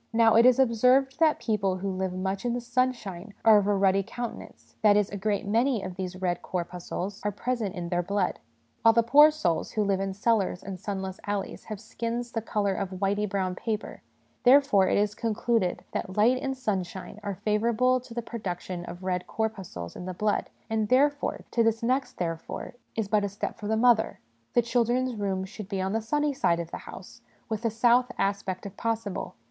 Now, it is ohs'Tvcd that people who live much in the sunshine are of a ruddy countenance that is, a SOME PRELIMINARY CONSIDERATIONS 35 great many of these red corpuscles are present in their blood ; while the poor souls who live in cellars and sunless alleys have skins the colour of whity brown paper. Therefore, it is concluded that light and sunshine are favourable to the production of red corpuscles in the blood ; and, therefore to this next ' therefore ' is but a step for the mother the children's rooms should be on the sunny side of the house, with a south aspect if possible.